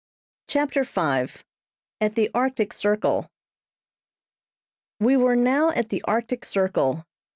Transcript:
CHAPTER V AT THE ARCTIC CIRCLE. We were now at the Arctic Circle.